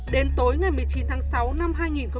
đến tối ngày một mươi chín tháng sáu năm hai nghìn hai mươi